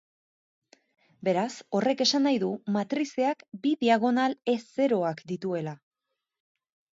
Beraz, horrek esan nahi du matrizeak bi diagonal ez-zeroak dituela.